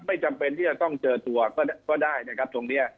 ไม่จำเป็นที่จะต้องเจอตัวก็ได้นะครับตรงนี้